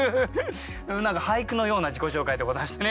何か俳句のような自己紹介でございましたね。